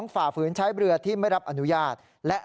ฝ่าฝืนใช้เรือที่ไม่รับอนุญาต